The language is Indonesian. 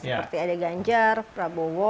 seperti ada ganjar prabowo